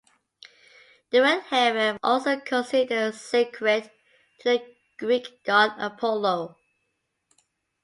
The red heifer was also considered sacred to the Greek god Apollo.